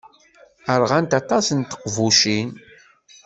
Ṛɣant aṭas n teqbucin.